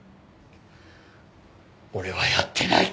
俺はやってない。